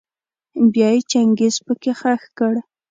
بيا يې چنګېز پکي خښ کړ.